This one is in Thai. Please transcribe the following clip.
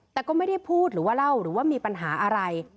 แต่ก็ไม่ได้พูดหรือว่าเล่าหรือว่ามีปัญหาอะไร